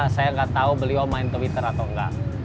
saya nggak tahu beliau main twitter atau enggak